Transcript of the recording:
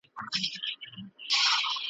هره ورځ یې دا یوه سندره کړله ,